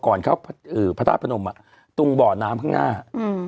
ก่อนเขาภาษาพนมอะตรงเบาะน้ำข้างหน้าอืม